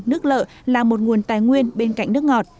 nước lợ là một nguồn tài nguyên bên cạnh nước ngọt